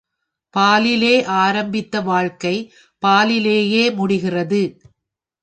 பாலிலே ஆரம்பித்த வாழ்க்கை, பாலிலேயே முடிகிறது.